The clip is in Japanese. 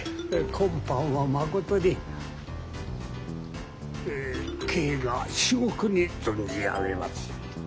今般はまことに慶賀至極に存じ上げます。